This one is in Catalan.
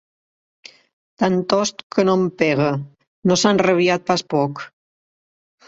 Tantost que no em pega: no s'ha enrabiat pas poc!